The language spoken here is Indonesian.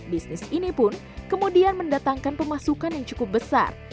bisnis ini pun kemudian mendatangkan pemasukan yang cukup besar